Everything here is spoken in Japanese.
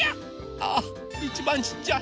ああいちばんちっちゃい。